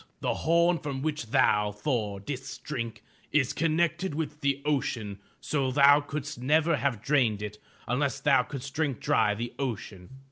The horn from which thou, Thor, didst drink is connected with the ocean so thou 442 THE TREASURE CHEST couldst never have drained it unless thou couldst drink dry the ocean.